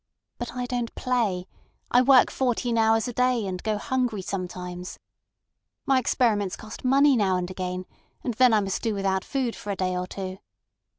But I don't play; I work fourteen hours a day, and go hungry sometimes. My experiments cost money now and again, and then I must do without food for a day or two.